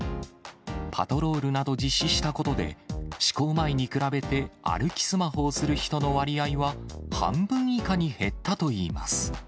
パトロールなど実施したことで、施行前に比べて、歩きスマホをする人の割合は半分以下に減ったといいます。